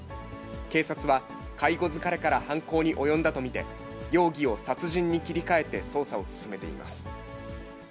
警察は、介護疲れから犯行に及んだと見て、容疑を殺人に切り替えて捜査を進めています。